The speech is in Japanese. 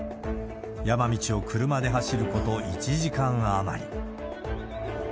山道を車で走ること１時間余り。